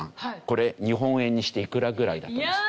これ日本円にしていくらぐらいだと思います？